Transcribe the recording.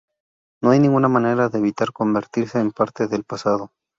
No hay ninguna manera de evitar convertirse en parte del pasado".